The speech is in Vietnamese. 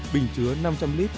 bình chứa năm trăm linh l